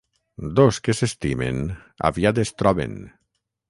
Dos que s'estimen, aviat es troben.